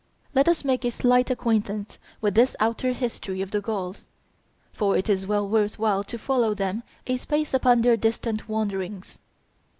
Let us make a slight acquaintance with this outer history of the Gauls; for it is well worth while to follow them a space upon their distant wanderings.